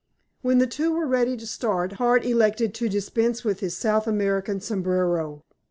When the two were ready to start, Hart elected to dispense with his South American sombrero.